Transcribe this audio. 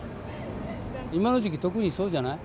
今の時期特にそうじゃない？